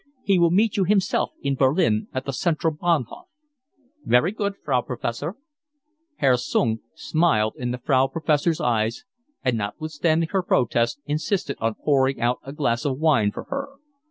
He will meet you himself in Berlin at the Central Bahnhof." "Very good, Frau Professor." Herr Sung smiled in the Frau Professor's eyes, and notwithstanding her protests insisted on pouring out a glass of wine for her.